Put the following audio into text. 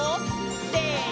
せの！